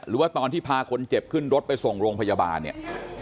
หรือว่าตอนที่พาคนเจ็บขึ้นรถไปส่งโรงพยาบาลเนี่ย